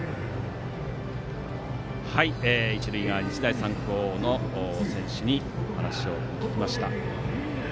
一塁側、日大三高の選手にお話を聞きました。